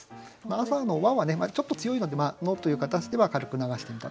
朝の「は」はちょっと強いので「の」という形で軽く流してみたということです。